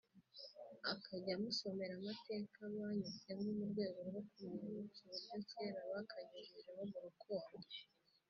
akajya amusomera amateka banyuzemo mu rweog rwo kumwibutsa uburyo kera bakanyujijeho mu rukundo…